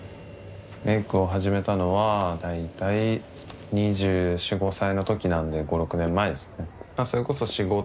メイクを始めたのは大体２４２５歳のときなんで５６年前ですね。